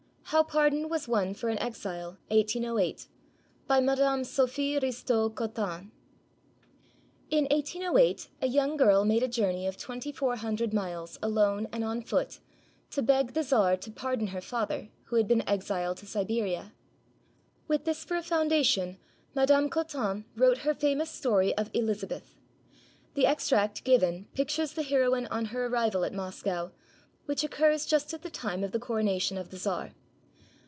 HOW PARDON WAS WON FOR AN EXILE BY MADAME SOPHIE RISTEAU COTTIN [In 1808, a young girl made a journey of twenty four hun dred miles alone and on foot to beg the czar to pardon her father, who had been exiled to Siberia. With this for a foun dation, Madame Cottin wrote her famous story of "Eliz abeth." The extract given pictures the heroine on her arrival at Moscow, which occurs just at the time of the coro nation of the czar.